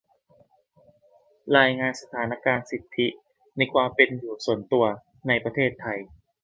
รายงานสถานการณ์สิทธิในความเป็นอยู่ส่วนตัวในประเทศไทย